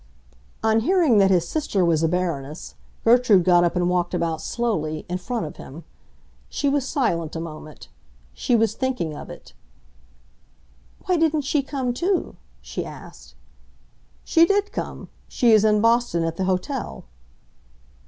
On hearing that his sister was a Baroness, Gertrude got up and walked about slowly, in front of him. She was silent a moment. She was thinking of it. "Why didn't she come, too?" she asked. "She did come; she is in Boston, at the hotel."